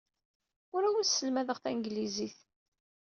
Ur awent-sselmadeɣ tanglizit.